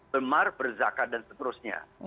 kemar berzakat dan seterusnya